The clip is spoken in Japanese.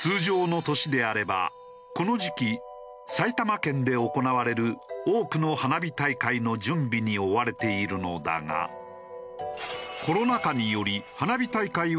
通常の年であればこの時期埼玉県で行われる多くの花火大会の準備に追われているのだがコロナ禍により花火大会はほとんど中止。